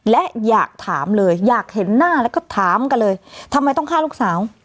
และอยากถามเลยอยากเห็นหน้าแล้วก็ถามกันเลยทำไมต้องฆ่าลูกสาว